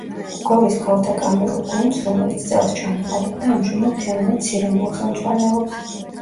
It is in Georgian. გორის ქალთა კამერულ გუნდს, რომელიც წელს ჩამოყალიბდა ამჟამად თეონა ცირამუა ხელმძღვანელობს.